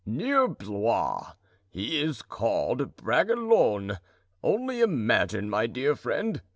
"Near Blois. He is called Bragelonne. Only imagine, my dear friend.